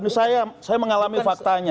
ini saya mengalami faktanya